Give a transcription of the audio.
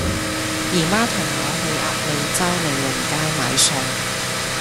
姨媽同我去鴨脷洲利榮街買餸